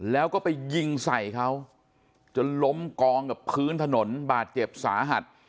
แล้วก็ไปยิงใส่เขาจนล้มกองกับพื้นถนนบาดเจ็บสาหัส